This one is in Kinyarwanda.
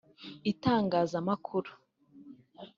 itangazamakuru